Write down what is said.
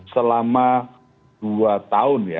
selama dua tahun ya